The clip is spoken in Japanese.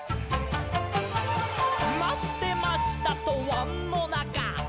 「まってました！とわんのなか」